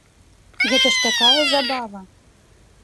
Гэта ж такая забава!